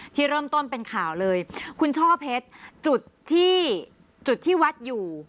ที่เริ่มต้นเป็นข่าวเลยคุณช่อเพชรจุดที่จุดที่วัดอยู่